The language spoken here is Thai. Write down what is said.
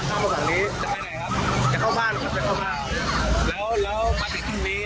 เข้ามาฝั่งนี้จะไปไหนครับจะเข้าบ้านครับจะเข้าบ้านแล้วแล้วมาถึงพรุ่งนี้